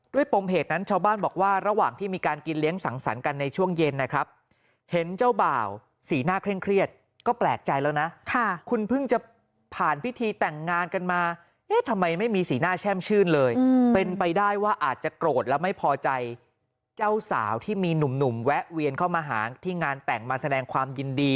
ปมเหตุนั้นชาวบ้านบอกว่าระหว่างที่มีการกินเลี้ยงสังสรรค์กันในช่วงเย็นนะครับเห็นเจ้าบ่าวสีหน้าเคร่งเครียดก็แปลกใจแล้วนะคุณเพิ่งจะผ่านพิธีแต่งงานกันมาเอ๊ะทำไมไม่มีสีหน้าแช่มชื่นเลยเป็นไปได้ว่าอาจจะโกรธแล้วไม่พอใจเจ้าสาวที่มีหนุ่มแวะเวียนเข้ามาหาที่งานแต่งมาแสดงความยินดี